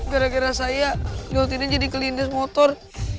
gara gara saya leontiennya jadi kelindes motor